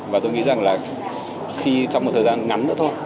và tôi nghĩ rằng là khi trong một thời gian ngắn nữa thôi